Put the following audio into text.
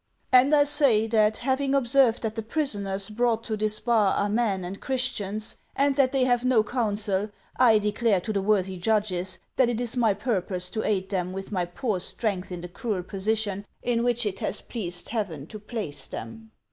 " And I say, that having observed that the prisoners brought to this bar are men and Christians, and that they have no counsel, I declare to the worthy judges that it is my purpose to aid them with my poor strength in the cruel position in which it has pleased Heaven to place them.